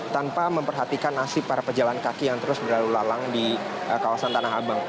tanpa memperhatikan nasib para pejalan kaki yang terus berlalu lalang di kawasan tanah abang